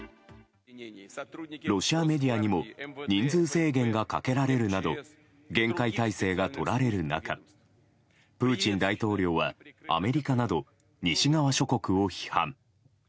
ロシアメディアにも人数制限がかけられるなど厳戒態勢がとられる中プーチン大統領はアメリカなど西側諸国を批判。